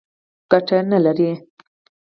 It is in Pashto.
ګټه نه لري.